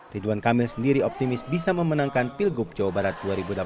ridwan kamil sendiri optimis bisa memenangkan pilgub jawa barat dua ribu delapan belas